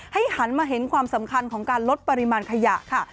หันมาเห็นความสำคัญของการลดปริมาณขยะค่ะ